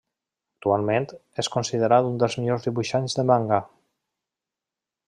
Actualment, és considerat un dels millors dibuixants de manga.